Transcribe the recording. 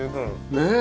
ねえ。